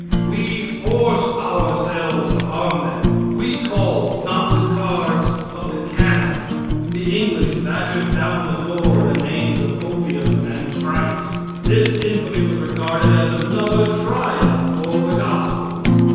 We forced ourselves upon them. We called, not with cards, but with cannon. The English battered down the door in the names of Opium and Christ. This infamy was regarded as another triumph for the gospel.